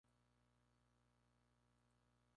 Este es el fin del aislamiento de la Cultura Jama-Coaque.